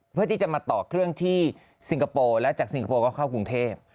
เพื่อที่จะมาต่อเครื่องที่สิงคโปร์และจากสิงคโปร์ก็เข้ากรุงเทพ